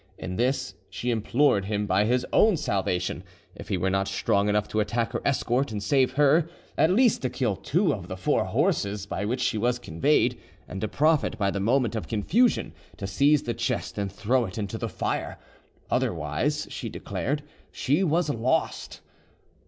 In this she implored him by his own salvation, if he were not strong enough to attack her escort and save her, at least to kill two of the four horses by which she was conveyed, and to profit by the moment of confusion to seize the chest and throw it into the fire; otherwise, she declared, she was lost.